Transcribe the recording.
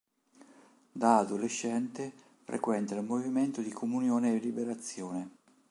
Da adolescente frequenta il movimento di Comunione e Liberazione.